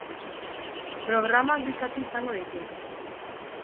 Programak bi zati izango ditu.